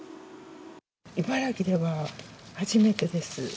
茨城では初めてです。